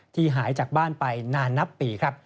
หายจากบ้านไปนานนับปีครับ